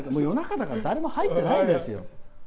夜中だから誰も入ってないんですよ。